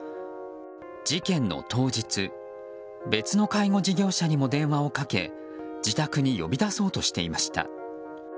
事件の当日、別の介護事業者にも電話をかけ自宅に呼び出そうとしていました。